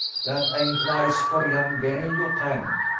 Dat ain't nice for young gel, you tank?